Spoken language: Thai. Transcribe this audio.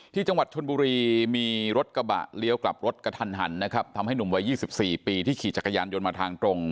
ที่จังหวัดชนบุรีมีรถกระบะเลี้ยวกลับรถกระทันหันนะครับทำให้หนุ่มวัย๒๔ปีที่ขี่จักรยานยนต์มาทางตรง